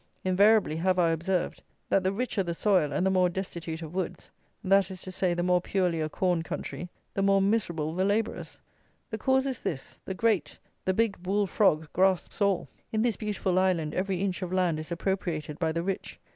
Invariably have I observed, that the richer the soil, and the more destitute of woods; that is to say, the more purely a corn country, the more miserable the labourers. The cause is this, the great, the big bull frog grasps all. In this beautiful island every inch of land is appropriated by the rich.